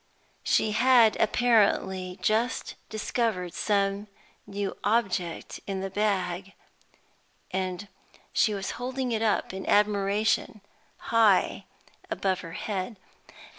She had apparently just discovered some new object in the bag, and she was holding it up in admiration, high above her head.